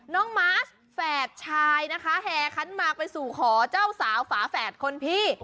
มาสแฝดชายนะคะแห่ขันหมากไปสู่ขอเจ้าสาวฝาแฝดคนพี่